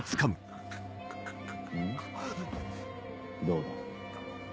どうだ？